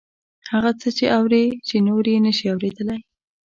هغه څه اوري چې نور یې نشي اوریدلی